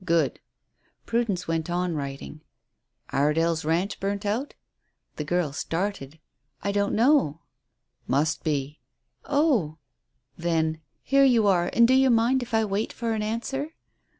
"Good." Prudence went on writing. "Iredale's ranch burnt out?" The girl started. "Don't know." "Must be." "Oh!" Then: "Here you are; and do you mind if I wait for an answer?"